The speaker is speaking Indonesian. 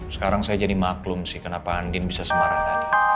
sekarang saya jadi maklum sih kenapa andien bisa semarang